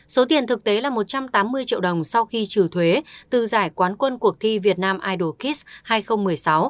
số tiền thực tế là một trăm tám mươi triệu đồng sau khi trừ thuế từ giải quán quân cuộc thi việt nam idolkis hai nghìn một mươi sáu